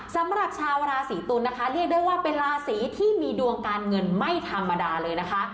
สำหรับชาวราศีตุลนะคะเรียกได้ว่าเป็นราศีที่มีดวงการเงินไม่ธรรมดาเลยนะคะ